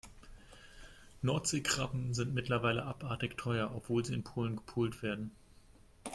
Nordseekrabben sind mittlerweile abartig teuer, obwohl sie in Polen gepult werden.